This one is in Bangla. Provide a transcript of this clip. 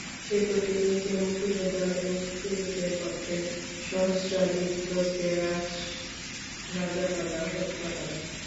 সেতুটির নিচে মুক্তিযোদ্ধা এবং মুক্তিযুদ্ধের পক্ষের সহস্রাধিক লোককে রাজাকাররা হত্যা করে।